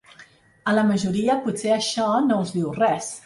A la majoria, potser això no us diu res.